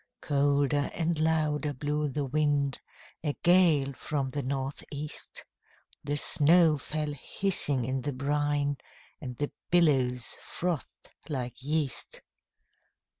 Colder and louder blew the wind, A gale from the North east; The snow fell hissing in the brine, And the billows frothed like yeast.